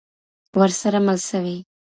ورسره مل سوي.